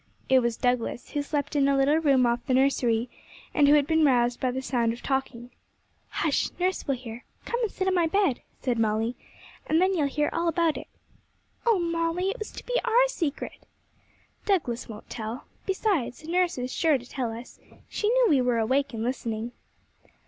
It was Douglas, who slept in a little room off the nursery, and who had been roused by the sound of talking. 'Hush! nurse will hear. Come and sit on my bed,' said Molly, 'and then you will hear all about it.' 'Oh, Molly, it was to be our secret!' 'Douglas won't tell. Besides, nurse is sure to tell us; she knew we were awake and listening.'